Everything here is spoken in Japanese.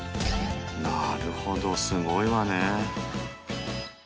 なるほどすごいわね。